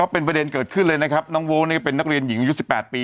เป็น๑๐๐คนแค่ดี